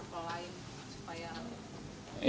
bagaimana cara kita mengumpulkan papan